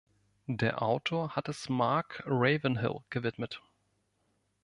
Der Autor hat es Mark Ravenhill gewidmet.